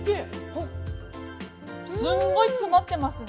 すんごい詰まってますね